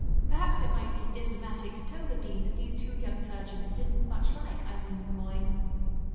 Perhaps it might be diplomatic to tell the Dean that these two young clergymen didn't much like Eileen Le Moine.